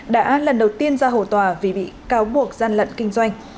đã lần đầu tiên ra hồ tòa vì bị cáo buộc gian lận kinh doanh